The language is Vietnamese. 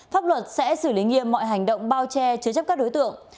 pháp luật sẽ xử lý nghiêm mọi hành động bao che chứa chấp các đối tượng